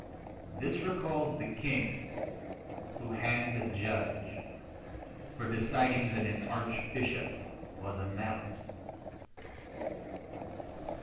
This recalls the king who hanged a judge for deciding that an archbishop was a mammal.